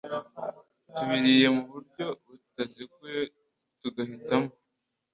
tubiriye mu buryo butaziguye, tugahitamo